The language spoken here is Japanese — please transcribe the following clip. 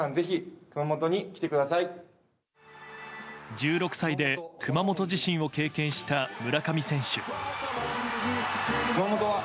１６歳で熊本地震を経験した村上選手。